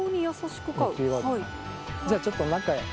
じゃあちょっと中へ。